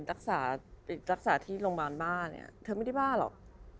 รักษารักษาที่โรงพยาบาลบ้าเนี่ยเธอไม่ได้บ้าหรอก